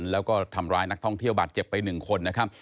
แล้วก็ทำร้ายนักท่องเที่ยวบาดเจ็บไป๑คนนะครับ